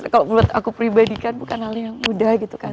kalau menurut aku pribadi kan bukan hal yang mudah gitu kan